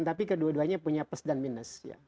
tapi kedua duanya punya plus dan minus